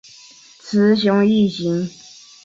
雌雄异型。